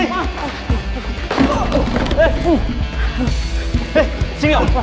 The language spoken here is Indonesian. eh sini abu